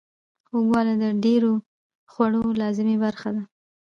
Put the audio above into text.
خوږوالی د ډیرو خوړو لازمي برخه ده.